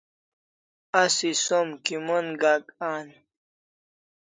asi som kimon Gak an?